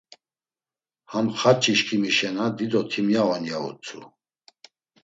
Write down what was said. Ham xaç̌i şǩimi şena dido timya on, ya utzu.